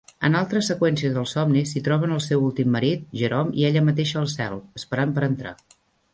En altres seqüències del somni s'hi troben el seu últim marit Jerome i ella mateixa al Cel, esperant per entrar.